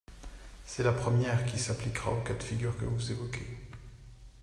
C’est la première qui s’appliquera au cas de figure que vous évoquez.